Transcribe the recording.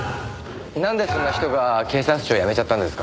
なんでそんな人が警察庁を辞めちゃったんですか？